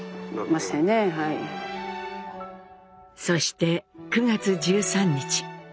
そして９月１３日。